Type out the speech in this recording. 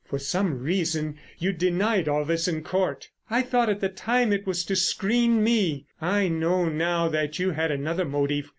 For some reason you denied all this in court. I thought at the time it was to screen me, I know now that you had another motive.